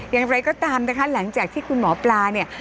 อย่างไรก็ตามนะคะหลังจากที่คุณหมอปลาเนี่ย